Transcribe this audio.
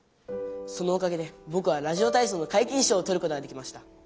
そのおかげでぼくはラジオ体操の皆勤賞をとることができました。